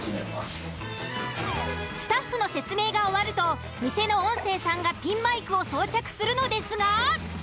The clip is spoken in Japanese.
スタッフの説明が終わるとニセの音声さんがピンマイクを装着するのですが。